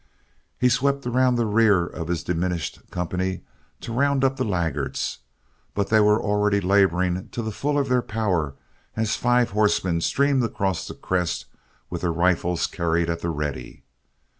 He swept around the rear of his diminished company to round up the laggards, but they were already laboring to the full of their power as five horsemen streamed across the crest with their rifles carried at the ready.